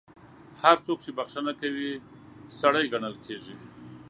هر څوک چې بخښنه کوي، سړی ګڼل کیږي.